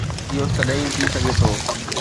اهو تڏهن ئي ٿي سگهي ٿو.